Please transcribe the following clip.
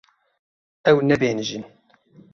Ew nebêhnijîn.